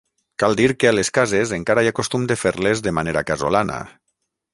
Cal dir que a les cases encara hi ha costum de fer-les de manera casolana.